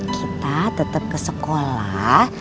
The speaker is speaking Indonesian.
kita tetap ke sekolah